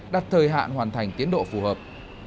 đặt thời hạn hoàn thành tiến độ phù hợp